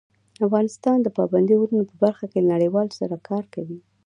افغانستان د پابندي غرونو په برخه کې له نړیوالو سره کار کوي.